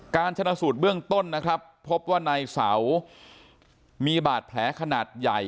การชนะสูตรเบื้องต้นนะครับพบว่านายเสามีบาดแผลขนาดใหญ่